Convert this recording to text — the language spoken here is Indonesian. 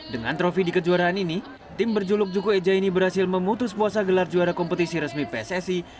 dengan trofi di kejuaraan ini tim berjuluk juku eja ini berhasil memutus puasa gelar juara kompetisi resmi pssi